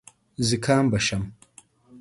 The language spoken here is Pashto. زکام به شم .